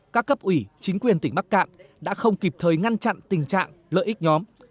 các cấp ủy chính quyền tỉnh bắc cạn đã không kịp thời ngăn chặn tình trạng lợi ích nhóm